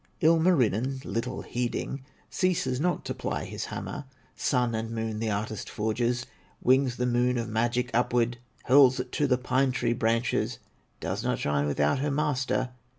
Ilmarinen, little heeding, Ceases not to ply his hammer, Sun and Moon the artist forges, Wings the Moon of Magic upward, Hurls it to the pine tree branches; Does not shine without her master.